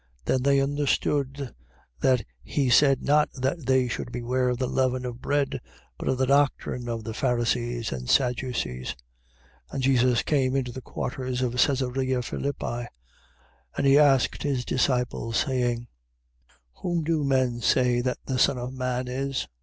16:12. Then they understood that he said not that they should beware of the leaven of bread, but of the doctrine of the Pharisees and Sadducees. 16:13. And Jesus came into the quarters of Cesarea Philippi: and he asked his disciples, saying: Whom do men say that the Son of man is?